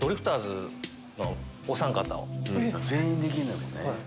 全員できんのやもんね。